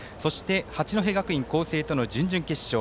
八戸学院光星との準々決勝。